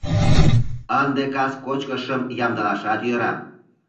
Ынде кас кочкышым ямдылашат йӧра...